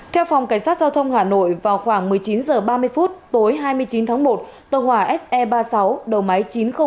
theo phòng cảnh sát giao thông hà nội vào khoảng một mươi chín h ba mươi phút tối hai mươi chín tháng một tàu hòa se ba mươi sáu đầu máy chín trăm linh